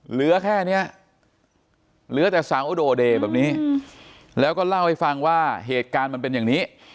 เหลือแค่นี้เหลือแต่เสาโดเดย์แบบนี้แล้วก็เล่าให้ฟังว่าเหตุการณ์มันเป็นอย่างนี้